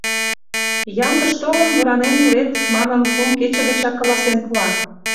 «Ямдыш толын, воранен илет» манын, кум кече гычак каласен пуа.